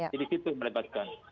jadi itu yang melibatkan